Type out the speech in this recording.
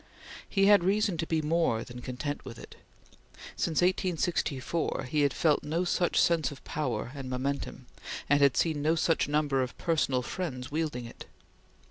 He had reason to be more than content with it. Since 1864 he had felt no such sense of power and momentum, and had seen no such number of personal friends wielding it.